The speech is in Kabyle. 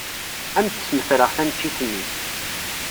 Ad am-d-smetreɣ taneččit-nni.